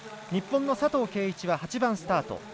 日本の佐藤圭一は８番スタート。